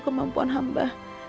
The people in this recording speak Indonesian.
terima kasih bu